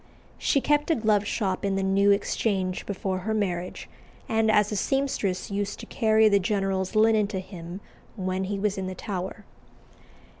She kept a glove shop in the New Exchange before her marriage, and as a seamstress used to carry the general's linen to him when he was in the Tower.